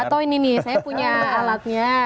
atau ini nih saya punya alatnya